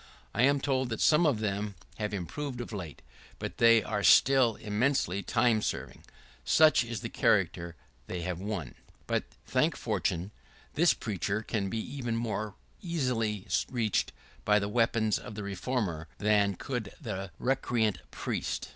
I am told that some of them have improved of late; but they are still eminently time serving. Such is the character they have won. [¶27] But, thank fortune, this preacher can be even more easily reached by the weapons of the reformer than could the recreant priest.